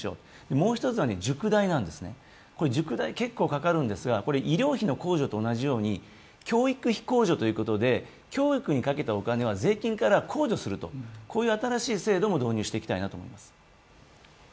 もう一つは塾代、これ結構かかるんですが医療費の控除と同じように教育費控除ということで教育にかけたお金は税金から控除すると、こういう新しい制度も導入していきたいと思います。